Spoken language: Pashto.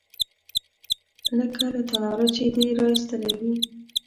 _لکه له تناره چې دې را ايستلې وي.